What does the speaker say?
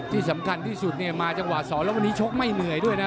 ที่สำคัญที่สุดเนี่ยมาจังหวะสอนแล้ววันนี้ชกไม่เหนื่อยด้วยนะ